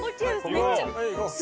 めっちゃ。